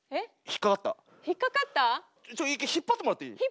一回引っ張ってもらっていい？